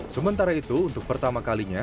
sementara itu untuk pertama kalinya